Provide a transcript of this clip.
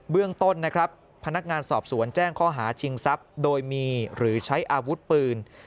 เรื่องต้นนะครับพนักงานสอบสวนแจ้งข้อหาชิงทรัพย์โดยมีหรือใช้อาวุธปืน